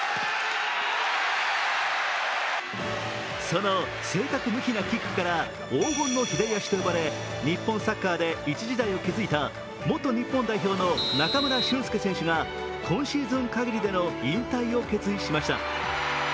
その正確無比なキックから黄金の左足と呼ばれ日本サッカーで一時代を築いた元日本代表の中村俊輔選手が今シーズン限りの引退を表明しました。